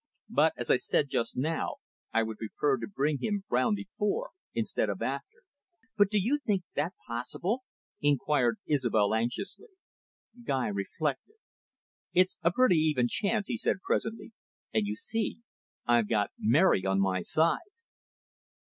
But, as I said just now, I would prefer to bring him round before, instead of after." "But do you think that possible?" inquired Isobel anxiously. Guy reflected. "It's a pretty even chance," he said presently. "And, you see. I've got Mary on my side."